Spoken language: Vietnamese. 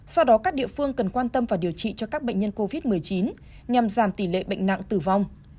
do đó các địa phương cần quan tâm và điều trị cho các bệnh nhân covid một mươi chín nhằm giảm tỷ lệ bệnh nặng tử vong